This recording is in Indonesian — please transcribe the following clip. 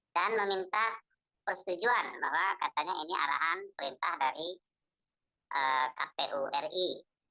meminta persetujuan bahwa katanya ini arahan perintah dari kpu ri